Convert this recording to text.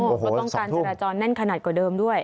เพราะต้องการจราจรแน่นขนาดกว่าเดิมด้วย